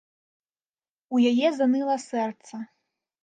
У яе заныла сэрца.